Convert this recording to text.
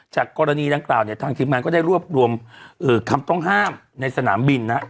กรณีดังกล่าวเนี่ยทางทีมงานก็ได้รวบรวมคำต้องห้ามในสนามบินนะ